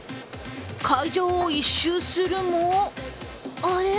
会場を１周するもあれ？